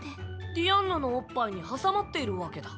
ディアンヌのおっぱいに挟まっているわけだ。